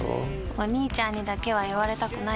お兄ちゃんにだけは言われたくないし。